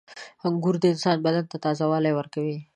• انګور د انسان بدن ته تازهوالی ورکوي.